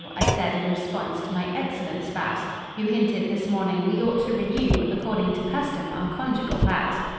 I said in response to my excellent spouse, Who hinted, this morning, we ought to renew According to custom, our conjugal vows.